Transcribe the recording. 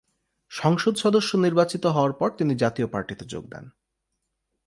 সংসদ সদস্য নির্বাচিত হওয়ার পর তিনি জাতীয় পার্টিতে যোগ দেন।